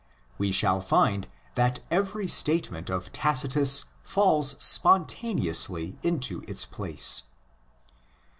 We shall find that every statement of Tacitus falls spontaneously into its place.